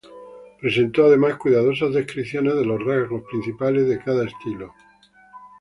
Presentó además cuidadosas descripciones de los rasgos principales de cada estilo.